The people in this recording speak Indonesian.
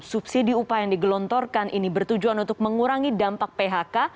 subsidi upah yang digelontorkan ini bertujuan untuk mengurangi dampak phk